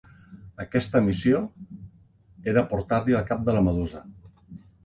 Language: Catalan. Aquesta missió era portar-li el cap de la Medusa.